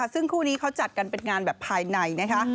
ซึ่งคู่นี้เขาจัดกันเป็นงานแบบภายในนะคะ